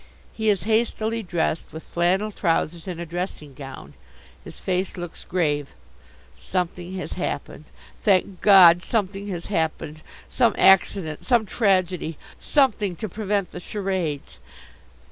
He is hastily dressed, with flannel trousers and a dressing gown. His face looks grave. Something has happened. Thank God, something has happened. Some accident! Some tragedy! Something to prevent the charades!